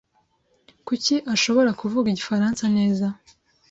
Kuki ashobora kuvuga Igifaransa neza?